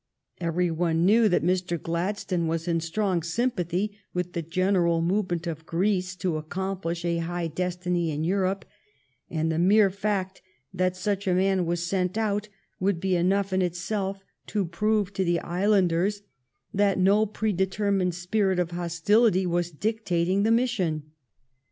Every one knew that Mr. Gladstone was in strong sympathy with the general movement of Greece to accomplish a high destiny in Europe, and the mere fact that such a man was sent out would be enough in itself to prove to the islanders that no prede termined spirit of hostility was dictating the mis sion.